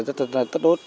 rất là tốt